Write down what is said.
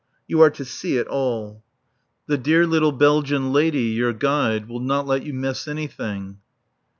You are to see it all. The dear little Belgian lady, your guide, will not let you miss anything.